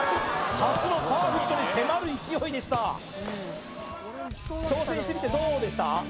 初のパーフェクトに迫る勢いでした挑戦してみてどうでした？